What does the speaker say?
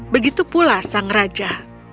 begitu pula sang raja